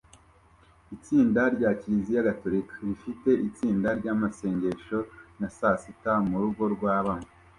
Itsinda rya kiliziya gatolika rifite itsinda ryamasengesho na sasita murugo rwa bamwe